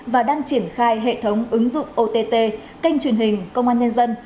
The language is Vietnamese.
và đang triển khai hệ thống ứng dụng ott kênh truyền hình công an nhân dân